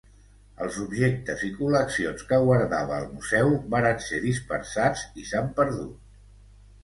Els objectes i col·leccions que guardava el Museu varen ser dispersats i s'han perdut.